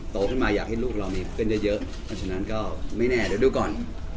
โตขึ้นมาอยากให้ลูกเรามีเพื่อนเยอะเพราะฉะนั้นก็ไม่แน่เดี๋ยวดูก่อน